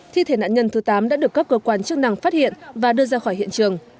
thi thể nạn nhân thứ tám đã được các cơ quan chức năng phát hiện và đưa ra khỏi hiện trường